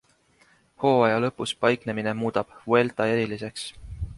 Hooaja lõpus paiknemine muudab Vuelta eriliseks.